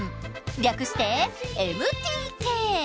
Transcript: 略して「ＭＴＫ」！